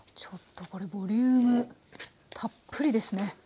ちょっとこれボリュームたっぷりですね。